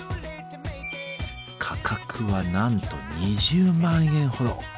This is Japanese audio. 価格はなんと２０万円ほど。